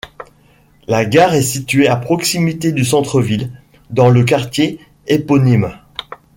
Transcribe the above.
La gare est située à proximité du centre-ville, dans le quartier éponyme.